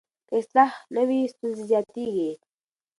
که اصلاح نه وي، ستونزې زیاتېږي.